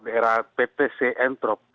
daerah ppc entrop